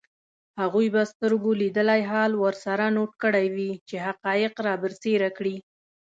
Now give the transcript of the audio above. هغوی به سترګو لیدلی حال ورسره نوټ کړی وي چي حقایق رابرسېره کړي